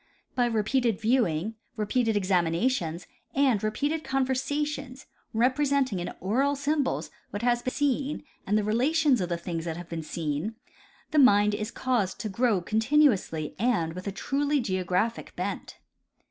By repeated viewing, repeated examinations and re peated conversations, representing in oral symbols what has been seen and the relations of the things that have been seen, the mind is caused to grow continuouily and with a truly geo graphic bent.